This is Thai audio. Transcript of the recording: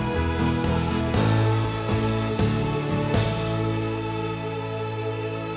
โปรดติดตามต่อไป